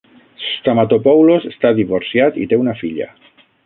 Stamatopoulos està divorciat i té una filla.